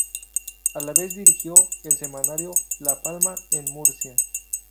A la vez dirigió el semanario "La Palma" en Murcia.